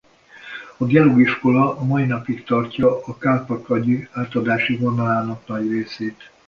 A gelug iskola a mai napig tartja a calpa kagyü átadási vonalának nagy részét.